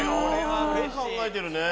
すごい考えてるね。